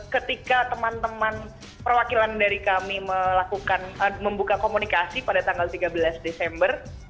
ketika teman teman perwakilan dari kami melakukan membuka komunikasi pada tanggal tiga belas desember